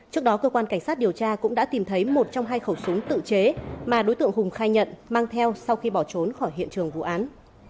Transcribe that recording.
trước đó cơ quan cảnh sát điều tra cũng đã tìm thấy một trong hai khẩu súng tự chế mà đối tượng hùng khai nhận mang theo sau khi bỏ trốn khỏi hiện trường vụ án